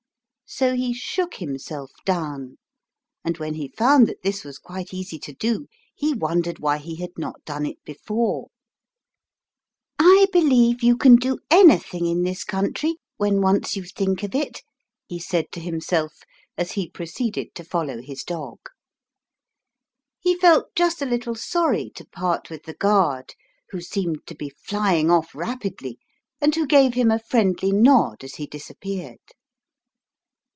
So he shook himself down, and when he found that this was quite easy to do he wondered why he had not done it before. " I believe you can Of a very well knoivn proposition of science. 43 do anything in this country when once you think of it," he said to himself as he proceeded to follow his dog. He felt just a little sorry to part with the guard, who seemed to be flying off rapidly, and who gave him a friendly nod as he disappeared.